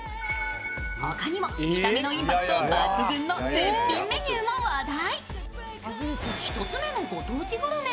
他にも見た目のインパクト抜群の絶品メニューも話題。